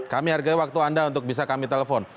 kami hargai waktu anda untuk bisa kami telepon